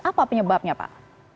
apa penyebabnya pak